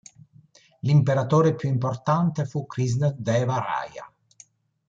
L'imperatore più importante fu Krishna Deva Raya.